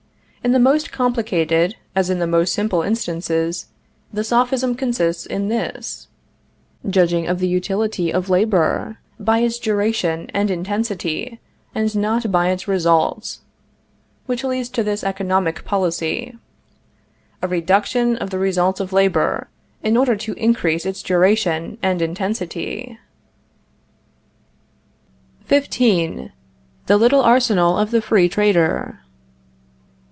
In the most complicated, as in the most simple instances, the sophism consists in this: Judging of the utility of labor by its duration and intensity, and not by its results, which leads to this economic policy, a reduction of the results of labor, in order to increase its duration and intensity. XV. THE LITTLE ARSENAL OF THE FREE TRADER.